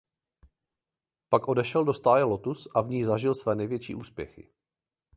Pak odešel do stáje Lotus a v ní zažil své největší úspěchy.